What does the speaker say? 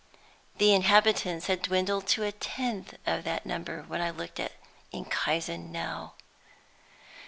The inhabitants had dwindled to a tenth of that number when I looked at Enkhuizen now!